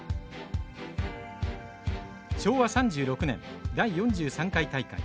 昭和３６年第４３回大会。